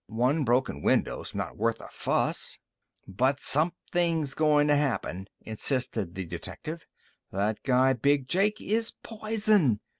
"One broken window's not worth a fuss." "But somethin's goin' to happen!" insisted the detective. "That guy Big Jake is poison!